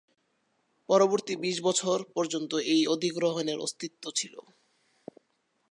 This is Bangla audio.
পরবর্তী বিশ বছর পর্যন্ত এই অধিগ্রহণের অস্তিত্ব ছিল।